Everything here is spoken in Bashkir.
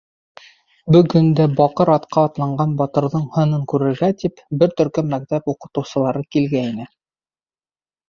Бөгөн дә баҡыр атҡа атланған батырҙың һынын күрергә тип, бер төркөм мәктәп уҡыусылары килгәйне.